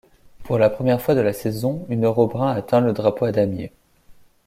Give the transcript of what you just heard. Pour la première fois de la saison, une Eurobrun atteint le drapeau à damier.